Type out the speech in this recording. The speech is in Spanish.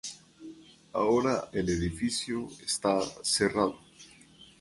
Ahora el edificio está cerrado.